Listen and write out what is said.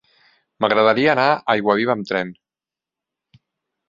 M'agradaria anar a Aiguaviva amb tren.